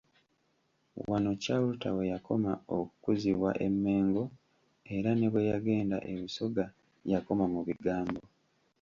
Wano Chalter weyakoma okkuzibwa e Mengo era ne bwe yagenda e Busoga yakoma mu bigambo.